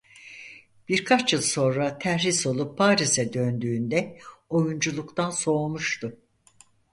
Birkaç yıl sonra terhis olup Paris'e döndüğünde oyunculuktan soğumuştu.